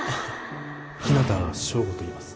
日向祥吾といいます